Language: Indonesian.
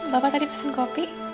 bapak tadi pesen kopi